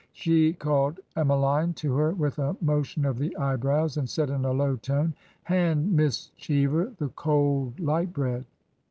She called Emmeline to her v/ith a motion of the eye brows, and said in a low tone, '' Hand Miss Cheever the cold light bread."